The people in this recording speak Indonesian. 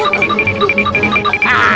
aduh aduh aduh